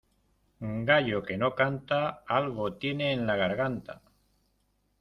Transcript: Gallo que no canta, algo tiene en la garganta.